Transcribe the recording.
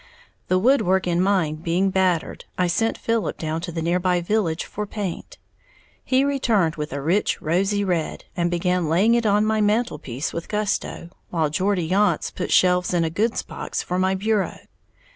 The woodwork in mine being battered, I sent Philip down to the nearby village for paint. He returned with a rich, rosy red, and began laying it on my mantelpiece with gusto, while Geordie Yonts put shelves in a goods box for my bureau.